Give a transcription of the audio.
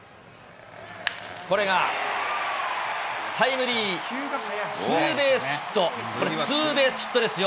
これがタイムリーツーベースヒット、これ、ツーベースヒットですよ。